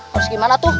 harus gimana atu